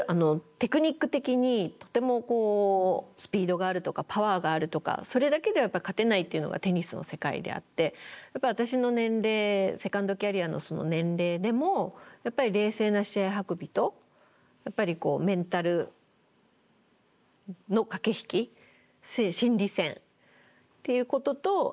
テクニック的にとてもスピードがあるとかパワーがあるとかそれだけでは勝てないっていうのがテニスの世界であってやっぱり私の年齢セカンドキャリアのその年齢でも冷静な試合運びとやっぱりメンタルの駆け引き心理戦っていうことと戦略